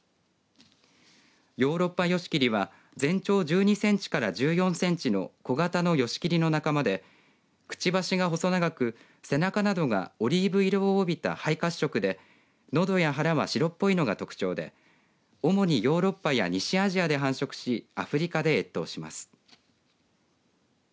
ヨーロッパヨシキリは全長１２センチから１４センチの小型のヨシキリの仲間でくちばしが細長く、背中などがオリーブ色を帯びた灰褐色でのどや腹は白っぽいのが特徴で主にヨーロッパや西アジアで繁殖しアフリカで越冬します。